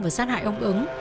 và sát hại ông ứng